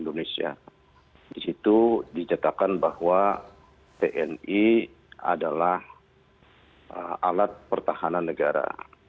di situ dicetakkan bahwa tni adalah alat pertahanan negara